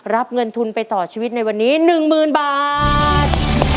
รับเงินทุนไปต่อชีวิตในวันนี้๑๐๐๐บาท